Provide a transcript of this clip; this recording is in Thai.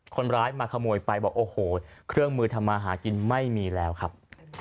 คนร้ายมาขโมยไปบอกโอ้โหเครื่องมือทำมาหากินไม่มีแล้วครับ